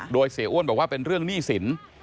โดยเสียอ้วนบอกว่าเป็นเรื่องหนี้สิน